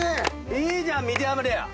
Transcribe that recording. いいじゃんミディアムレア！